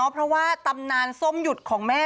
เพราะว่าตำนานส้มหยุดของแม่